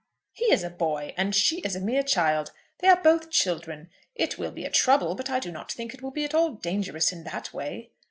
"He is a boy, and she is a mere child. They are both children. It will be a trouble, but I do not think it will be at all dangerous in that way."